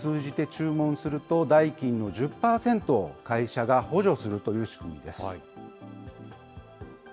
社員がこのアプリを通じて注文すると、代金の１０％を会社が補助するという仕組みです。